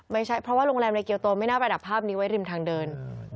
ไม่ใช่เพราะว่าโรงแรมในเกียวโตไม่น่าประดับภาพนี้ไว้ริมทางเดิน